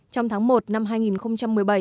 trong tháng một năm hai nghìn một mươi bảy